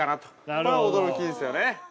これは驚きですよね。